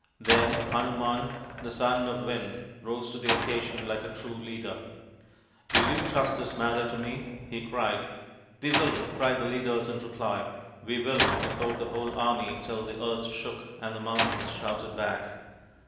Then Hanuman, the Son of the Wind, rose to the occasion like a true leader. " Will you trust this matter to me ?" he cried. ",5Jfe Will !" cried the leaders in reply. " We will !" echoed the whole army till the earth shook and the mountains shouted back.